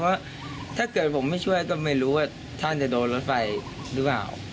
เพราะถ้าเกิดผมไม่ช่วยก็ไม่รู้ว่าท่านจะโดนรถไฟหรือเปล่า